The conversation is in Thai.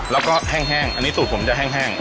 แล้วก็แห้งอันนี้สูตรผมจะแห้ง